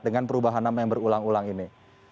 dengan perubahan nama yang berulang ulang ini